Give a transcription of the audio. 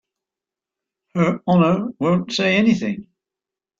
Her Honor won't say anything.